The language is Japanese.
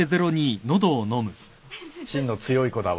心の強い子だわ。